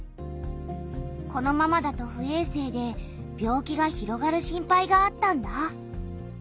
このままだと不衛生で病気が広がる心配があったんだ。